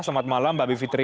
selamat malam mbak bivitri